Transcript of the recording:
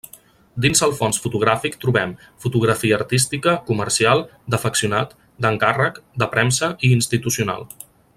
Dins el fons fotogràfic trobem; fotografia artística, comercial, d'afeccionat, d'encàrrec, de premsa i institucional.